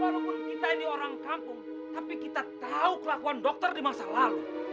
walaupun kita ini orang kampung tapi kita tahu kelakuan dokter di masa lalu